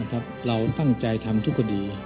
เราตั้งใจทำทุกคดี